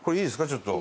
ちょっと。